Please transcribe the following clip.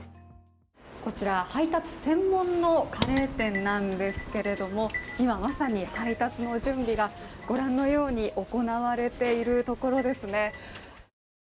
こちら、配達専門のカレー店なんですけれども、今まさに配達の準備が、御覧のように行われているところですね。